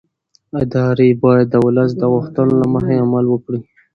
ادارې باید د ولس د غوښتنو له مخې عمل وکړي